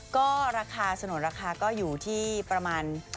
ก็สนุนราคาก็อยู่ที่ประมาณ๘๐๐๐